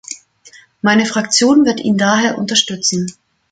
Meine Fraktion wird ihn daher unterstützen.